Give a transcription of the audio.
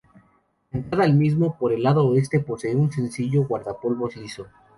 La entrada al mismo, por el lado oeste, posee un sencillo guardapolvos liso.